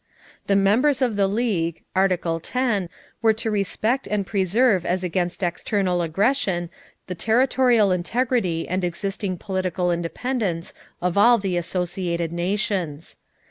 The members of the League (Article X) were to respect and preserve as against external aggression the territorial integrity and existing political independence of all the associated nations.